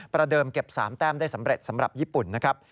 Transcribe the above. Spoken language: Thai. เดิมเก็บ๓แต้มได้สำเร็จสำหรับญี่ปุ่นนะครับ